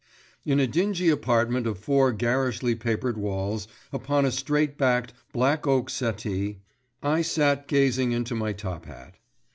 In a dingy apartment of four garishly papered walls, upon a straight backed, black oak settle, I sat gazing into my top hat.